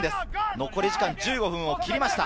残り時間１５分を切りました。